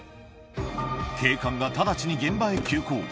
警官が直ちに現場に急行。